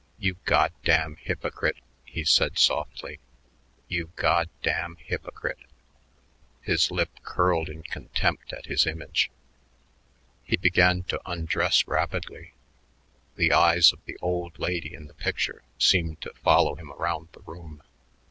"You goddamn hypocrite," he said softly; "you goddamn hypocrite." His lip curled in contempt at his image. He began to undress rapidly. The eyes of the "old lady" in the picture seemed to follow him around the room.